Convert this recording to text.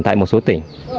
tại một số tỉnh